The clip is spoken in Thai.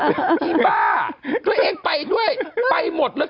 พี่บ้าตัวเองไปด้วยไปหมดเลย